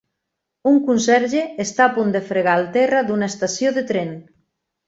Un conserge està punt de fregar el terra d'una estació de tren.